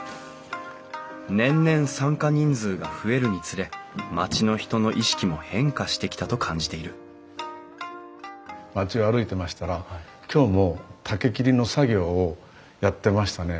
年々参加人数が増えるにつれ町の人の意識も変化してきたと感じている町を歩いてましたら今日も竹切りの作業をやってましたね。